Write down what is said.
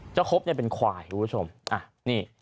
เจ้าครบเนี่ยเป็นควายคุณผู้ชมนี่